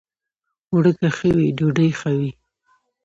اوړه که ښه وي، ډوډۍ ښه وي